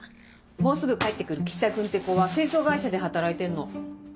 もうすぐ帰ってくる岸田君っていう子は清掃会社で働いてんの。